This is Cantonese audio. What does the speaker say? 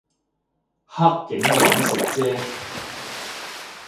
黑警搵食啫